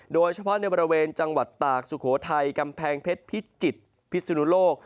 โดยเฉพาะในบริเวณจังหวัดตากสุโขทัยกำแพงเพชรพิจิตรพิสุนุโลก